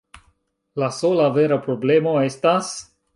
La sola vera problemo estas...